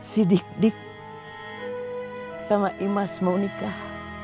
si dik dik sama imas mau nikah